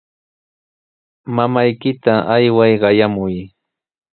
Mamaykita ayway qayamuy.